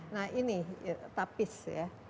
nah ini tapis ya